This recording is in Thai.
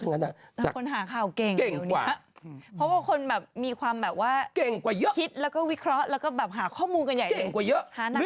นางคิดแบบว่าไม่ไหวแล้วไปกด